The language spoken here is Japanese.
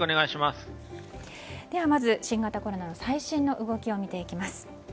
まず、新型コロナの最新の動きを見ていきます。